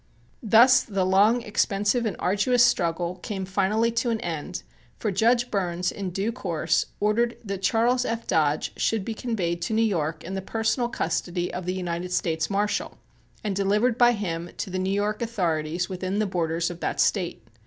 Thus the long, expensive and arduous struggle came finally to an end, for Judge Burns in due course, ordered that Charles F. Dodge should be conveyed to New York in the personal custody of the United States Marshal and delivered by him to the New York authorities "within the borders of that State."